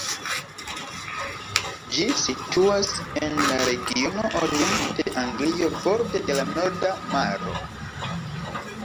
Ĝi situas en la regiono Oriento de Anglio, borde de la Norda Maro.